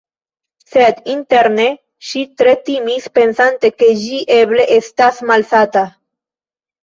Sed interne ŝi tre timis pensante ke ĝi eble estas malsata.